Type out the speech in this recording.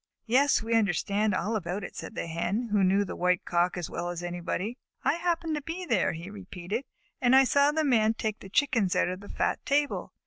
"Yes, we understand all about it," said the Hens, who knew the White Cock as well as anybody. "I happened to be there," he repeated, "and I saw the Man take the Chickens out of the fat table.